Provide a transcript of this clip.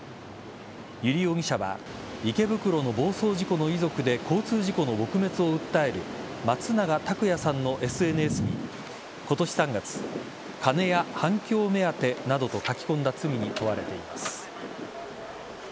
油利容疑者は池袋の暴走事故の遺族で交通事故の撲滅を訴える松永拓也さんのＳＮＳに今年３月金や反響目当てなどと書き込んだ罪に問われています。